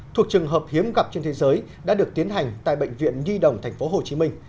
thuộc trường hợp hiếm gặp trên thế giới đã được tiến hành tại bệnh viện nhi đồng tp hcm